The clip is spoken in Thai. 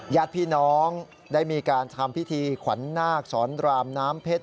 ญาติพี่น้องได้มีการทำพิธีขวัญนาคสอนรามน้ำเพชร